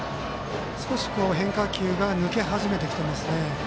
少し、変化球が抜け始めてきてます。